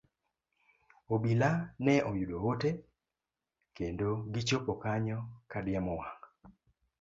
Obila ne oyudo ote, kendo gichopo kanyo ka diemo wang'.